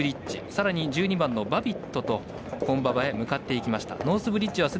さらに、１２番、バビット本馬場へ向かっています。